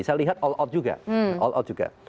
saya lihat all out juga